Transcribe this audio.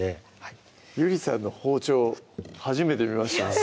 ゆりさんの包丁初めて見ました